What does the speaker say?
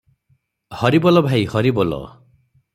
ହରିବୋଲ ଭାଇ ହରିବୋଲ ।